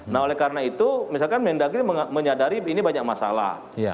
nah oleh karena itu misalkan mendagri menyadari ini banyak masalah